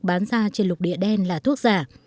bán ra trên lục địa đen là thuốc giả